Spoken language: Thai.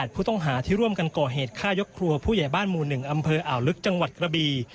ผู้ต้องหาที่ร่วมกันก่อเหตุฆ่ายกครัวผู้ใหญ่บ้านหมู่๑อำเภออ่าวลึกจังหวัดกระบี